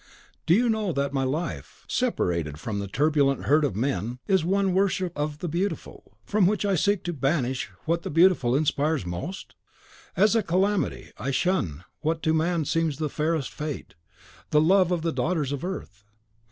Do you know that my life, separated from the turbulent herd of men, is one worship of the Beautiful, from which I seek to banish what the Beautiful inspires in most? As a calamity, I shun what to man seems the fairest fate, the love of the daughters of earth.